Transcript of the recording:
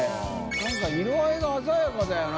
燭色合いが鮮やかだよな。